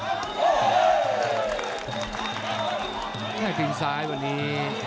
สิ่งที่สายวันนี้